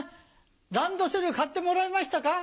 ランドセル買ってもらいましたか？